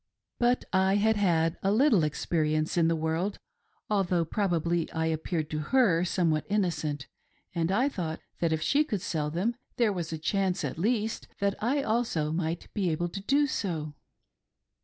But I had had a little experience in the world, — although prob ably I appeared to her somewhat innocent, — and I thought that if she could sell them, there was a chance at least that I also might be able to do so.